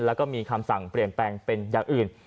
แล้วก็มีคำสั่งเปลี่ยนแปลงเป็นอย่างอื่น